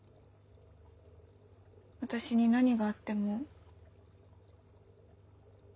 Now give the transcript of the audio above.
私に何があっても。